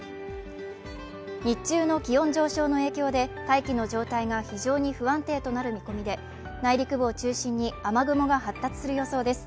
日中の気温上昇の影響で大気の状態が非常に不安定となる見込みで、内陸部を中心に雨雲が発達する予想です。